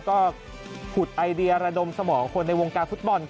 ก็ขุดไอเดียระดมสมองคนในวงการฟุตบอล